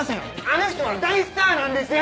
あの人は大スターなんです！